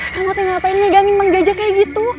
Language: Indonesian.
kamu tau ngapain ngegangi mang jajah kayak gitu